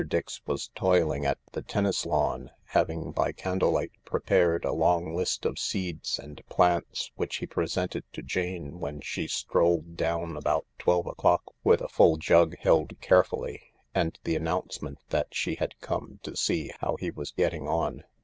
Dix was toiling at the tennis lawn, having by candlelight prepared a long list of seeds and plants, which he presented to Jane when she strolled down about twelve o'clock with a full jug held carefully and the announcement that she had just come to see how he was getting on.